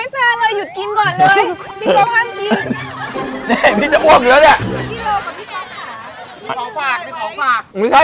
พี่เร็วพี่จะมาทิ้งกล้วยบริโตรแบบนี้ไม่ได้